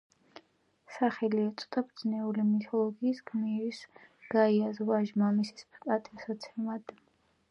სახელი ეწოდა ბერძნული მითოლოგიის გმირის, გაიას ვაჟ მიმასის პატივსაცემად.